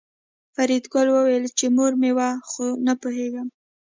فریدګل وویل چې مور مې وه خو نه پوهېږم